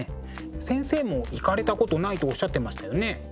先生も行かれたことないとおっしゃってましたよね。